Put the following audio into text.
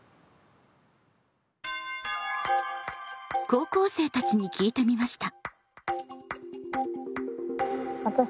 高校生たちに聞いてみました。